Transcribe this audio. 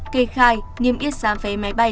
kê khai nghiêm yết giá vé máy bay